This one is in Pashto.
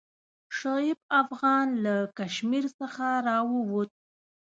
شعیب افغان له کشمیر څخه راووت.